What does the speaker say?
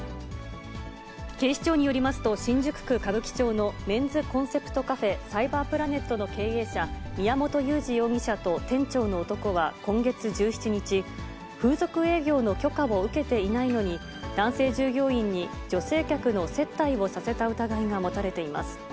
警視庁によりますと、新宿区歌舞伎町のメンズコンセプトカフェ、電脳プラネットの経営者、宮本優二容疑者と店長の男は、今月１７日、風俗営業の許可を受けていないのに、男性従業員に女性客の接待をさせた疑いが持たれています。